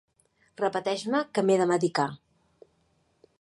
Repeteix-me que m'he de medicar.